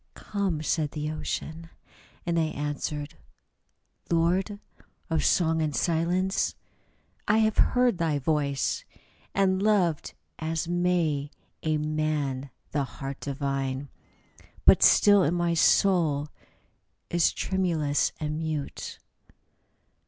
" Come," said the Ocean : and I answered :" Lord Of song and silence, I have heard thy voice, And loved as may a man the heart divine; But still my soul is tremulous and mute."